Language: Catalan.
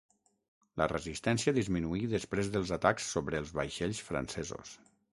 La resistència disminuí després dels atacs sobre els vaixells francesos.